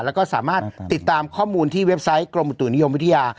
แล้วก็สามารถติดตามข้อมูลที่เว็บไซต์กรมอุตุนิยมวิทยา